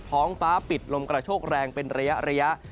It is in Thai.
ท้องฟ้าปิดลมกระโชกแรงเป็นระยะ